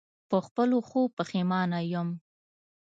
په خپلو ښو پښېمانه یم.